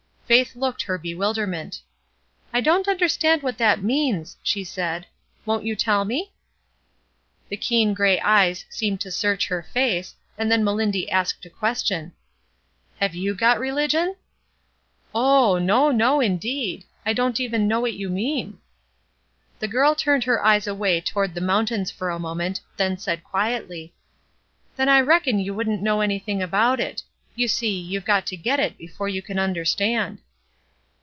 Faith looked her bewilderment. ''I don't understand what that means," she said. ''Won't you tell me?" The keen gray eyes seemed to search her face, and then Melindy asked a question. ''Have you got religion ?" "Oh, no, no indeed! I don't even know what you mean." The girl turned her eyes away toward the mountains for a moment, then said quietly: — "Then I reckon you wouldn't know any thing about it; you see, you've got to get it before you can tmderstand."